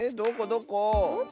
どこ？